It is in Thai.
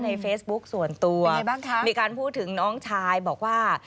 ในเฟซบุ๊คส่วนตัวมีการพูดถึงน้องชายบอกว่า